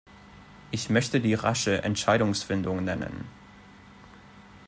Ich möchte die rasche Entscheidungsfindung nennen.